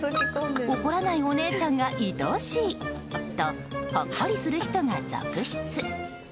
怒らないお姉ちゃんがいとおしいとほっこりする人が続出。